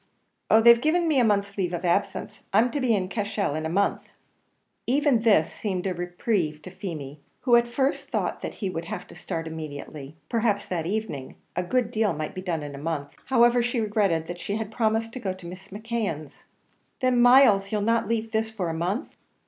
"Oh! they've given me a month's leave of absence. I'm to be in Cashel in a month." Even this seemed a reprieve to Feemy, who at first thought that he would have to start immediately, perhaps that evening, a good deal might be done in a month; now, however, she regretted that she had promised to go to Mrs. M'Keon's. "Then, Myles, you'll not leave this for a month?"